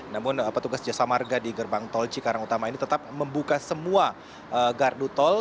namun petugas jasa marga di gerbang tol cikarang utama ini tetap membuka semua gardu tol